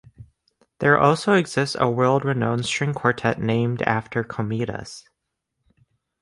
There also exists a world-renowned string quartet named after Komitas.